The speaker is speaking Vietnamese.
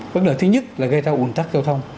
bất lợi thứ nhất là gây ra ủn thắc giao thông